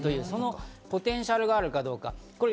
そのポテンシャルがあるかどうか。